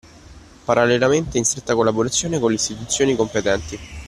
Parallelamente in stretta collaborazione con le istituzioni competenti